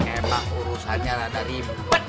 emang urusannya rada ribet